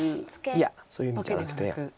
いやそういう意味じゃなくて。